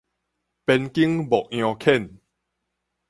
邊境牧羊犬